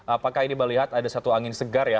apakah ini melihat ada satu angin segar ya